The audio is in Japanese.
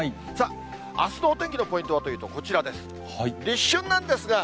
さあ、あすのお天気のポイントはというと、こちらです。